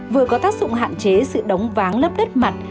vừa có tác dụng hạn chế sự đóng váng lớp đất mặt